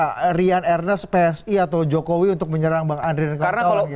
ini bukan rian ernest psi atau jokowi untuk menyerang bang andre dan kawan kawan